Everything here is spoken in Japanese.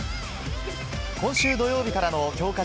今週土曜日からの強化